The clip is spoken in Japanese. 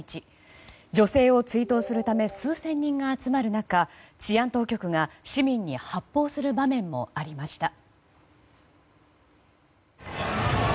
女性を追悼するため数千人が集まる中治安当局が市民に発砲する場面もありました。